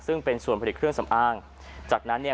ซึ่งเป็นส่วนผลิตเครื่องสำอางจากนั้นเนี่ย